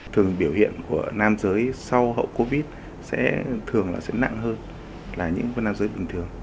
thường biểu hiện của nam giới sau hậu covid sẽ thường là sẽ nặng hơn là những con nam giới bình thường